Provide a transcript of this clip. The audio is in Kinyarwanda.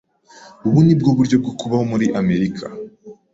Ubu ni bwo buryo bwo kubaho muri Amerika.